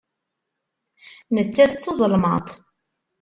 Nettat d tazelmaḍt.